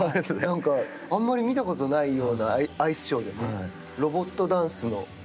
なんかあんまり見たことないようなアイスショーで、ロボットダンスの。